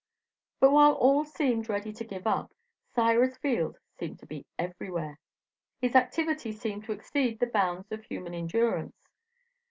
But while all seemed ready to give up, Cyrus Field seemed to be everywhere. His activity seemed to exceed the bounds of human endurance.